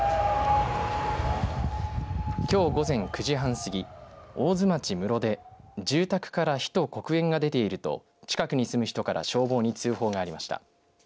きょう、午前９時半過ぎ大津町室で住宅から火と黒煙が出ていると近くに住む人から消防に通報がありました。